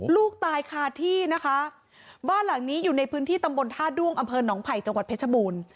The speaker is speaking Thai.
ลูกตายคาที่นะคะบ้านหลังนี้อยู่ในพื้นที่ตำบลท่าด้วงอำเภอหนองไผ่จังหวัดเพชรบูรณ์